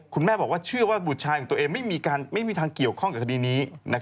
คุณแม่บอกว่าเชื่อว่าบุตรชายของตัวเองไม่มีทางเกี่ยวข้องกับคดีนี้